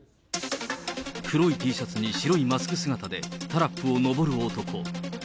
黒いＴシャツに白いマスク姿で、タラップをのぼる男。